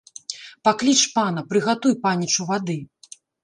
Пакліч пана, прыгатуй панічу вады!